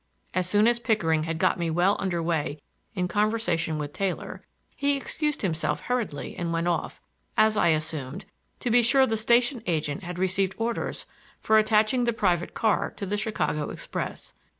As soon as Pickering had got me well under way in conversation with Taylor, he excused himself hurriedly and went off, as I assumed, to be sure the station agent had received orders for attaching the private car to the Chicago express.